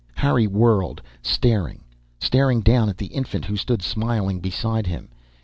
Harry whirled, staring; staring down at the infant who stood smiling beside him.